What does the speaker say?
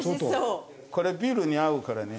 これビールに合うからね。